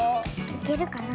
いけるかな。